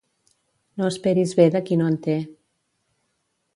No esperis bé de qui no en té.